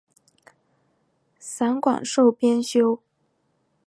散馆授编修。